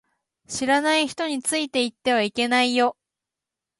知らない人についていってはいけないよ